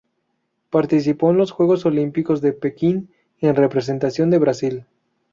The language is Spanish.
Participó en los Juegos Olímpicos de Pekín en representación de Brasil.